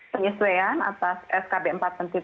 penyesuaian atas skb empat menteri